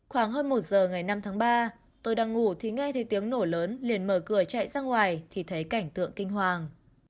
khoảng hơn một giờ ngày năm tháng ba tôi đang ngủ thì nghe thấy tiếng nổ lớn liền mở cửa chạy ra ngoài thì thấy cảnh tượng kinh hoàng